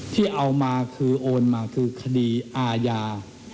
ที่เอามาคือโอนมาคือคดีอาญา